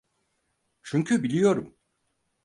Çünkü biliyorum.